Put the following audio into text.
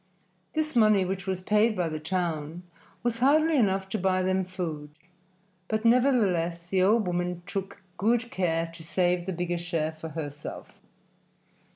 This money, which was paid by the town, was hardly enough to buy them food, but nevertheless the old woman took good care to save the bigger share for herself.